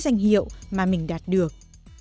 danh hiệu mà mình đạt được